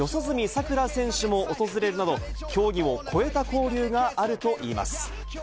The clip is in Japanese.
さくら選手も訪れるなど、競技を超えた交流があるといいます。